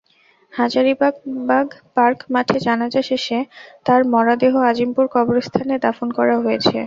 Hazaribagh park মাঠে জানাজা শেষে তাঁর মরদেহ আজিমপুর কবরস্থানে দাফন করা হয়েছে।